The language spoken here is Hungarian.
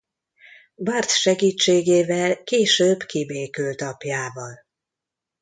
Bart segítségével később kibékült apjával.